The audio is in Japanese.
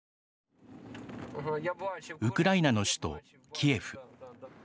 ウクライナの首都、キエフ。